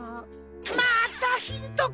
またヒントか！